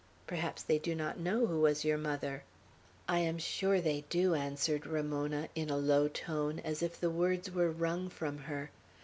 Perhaps they do not know who was your mother?" "I am sure they do," answered Ramona, in a low tone, as if the words were wrung from her.